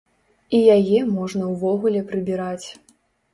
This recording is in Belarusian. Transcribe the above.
І яе можна ўвогуле прыбіраць.